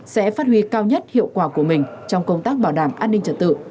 sẽ phát huy cao nhất hiệu quả của mình trong công tác bảo đảm an ninh trật tự